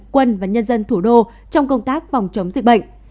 quân và nhân dân thủ đô trong công tác phòng chống dịch bệnh